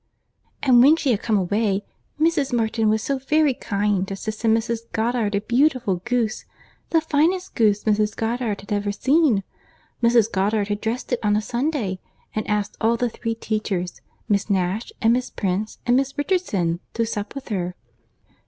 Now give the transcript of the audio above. "And when she had come away, Mrs. Martin was so very kind as to send Mrs. Goddard a beautiful goose—the finest goose Mrs. Goddard had ever seen. Mrs. Goddard had dressed it on a Sunday, and asked all the three teachers, Miss Nash, and Miss Prince, and Miss Richardson, to sup with her."